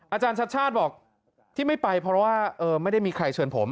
อาจารย์ชัดชาติบอกที่ไม่ไปเพราะว่าไม่ได้มีใครเชิญผม